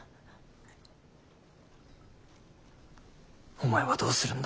お前はどうするんだ。